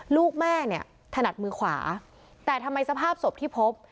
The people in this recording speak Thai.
ลูกแม่เนี่ยถนัดมือขวาแต่ทำไมสภาพศพที่พบ